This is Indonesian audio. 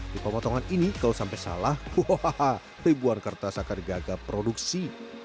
di pemotongan ini kalau sampai salah ribuan kertas akan gagal produksi